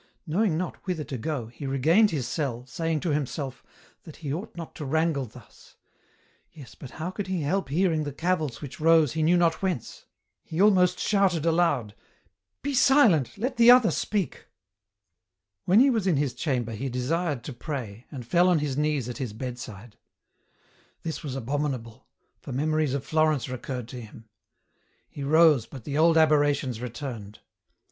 Knowing not whither to go, he regained his cell, saying to himself, that he ought not to wrangle thus ; yes, but how could he help hearing the cavils which rose he knew not whence ? He almost shouted aloud :" Be silent, let the other speak !" R 2 244 EN ROUTE. When he was in his chamber he desired to pray, and fell on his knees at his bedside. This was abominable ; for memories of Florence recurred to him. He rose, but the old aberrations returned.